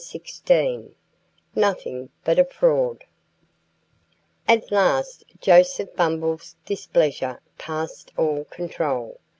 XVI NOTHING BUT A FRAUD AT last Joseph Bumble's displeasure passed all control.